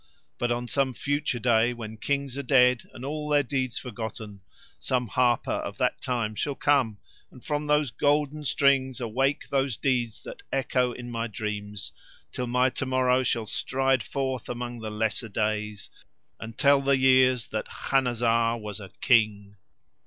But on some future day, when Kings are dead and all their deeds forgotten, some harper of that time shall come and from those golden strings awake those deeds that echo in my dreams, till my to morrow shall stride forth among the lesser days and tell the years that Khanazar was a King."